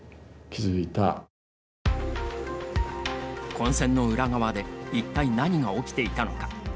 混戦の裏側で一体何が起きていたのか。